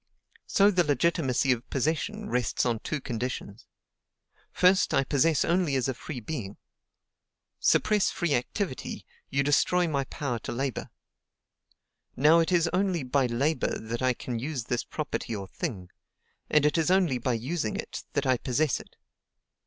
So the legitimacy of possession rests on two conditions. First, I possess only as a free being. Suppress free activity, you destroy my power to labor. Now it is only by labor that I can use this property or thing, and it is only by using it that I possess it.